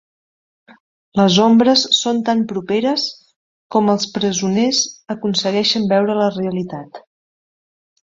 Les ombres són tan properes com els presoners aconsegueixen veure la realitat.